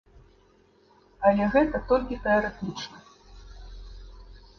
Але гэта толькі тэарэтычна.